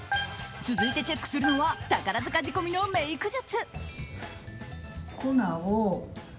続いてチェックするのは宝塚仕込みのメイク術。